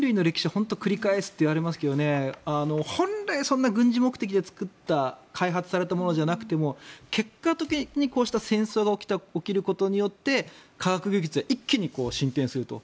本当に繰り返すといわれますが本来、そんな軍事目的で開発されたものじゃなくても結果的に、こうした戦争が起きることによって科学技術が一気に進展すると。